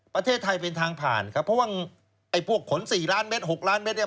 ประเทศไทยเป็นทางผ่านครับเพราะว่าไอ้พวกขน๔ล้านเม็ด๖ล้านเม็ดเนี่ย